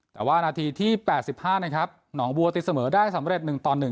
แต่ว่านาทีที่๘๕น้องบัวติดเสมอได้สำเร็จ๑๑